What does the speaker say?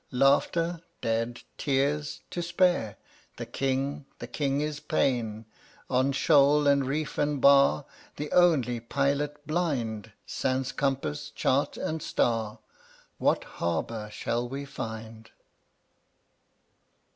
Laughter? Dead. Tears? To spare. The king? The king is Pain. On shoal and reef and bar, The only pilot blind, Sans compass, chart and star, What harbor shall we find?